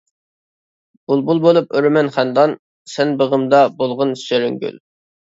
بۇلبۇل بولۇپ ئۇرىمەن خەندان، سەن بېغىمدا بولغىن سېرىنگۈل.